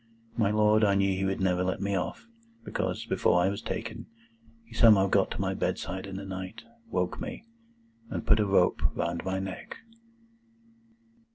My Lord, I knew he would never let me off, because, before I was taken, he somehow got to my bedside in the night, woke me, and put a rope round my neck."